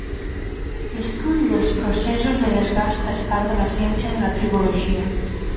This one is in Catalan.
L'estudi dels processos de desgast és part de la ciència de la tribologia.